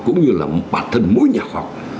cũng như là bản thân mỗi nhà khoa học